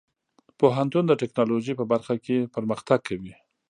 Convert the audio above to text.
پوهنتون د ټیکنالوژۍ په برخه کې پرمختګ کوي.